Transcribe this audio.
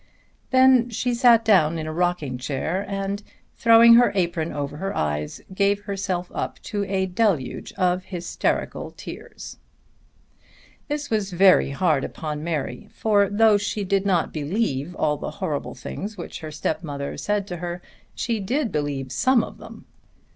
Then she sat down in a rocking chair and throwing her apron over her eyes gave herself up to a deluge of hysterical tears. This was very hard upon Mary for though she did not believe all the horrible things which her stepmother said to her she did believe some of them.